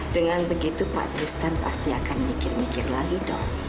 dengan begitu pak kristen pasti akan mikir mikir lagi dong